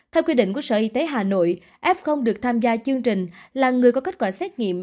theo quy định của sở y tế hà nội f được tham gia chương trình là người có kết quả xét nghiệm